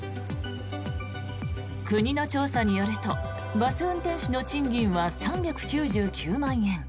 国の調査によるとバス運転手の賃金は３９９万円。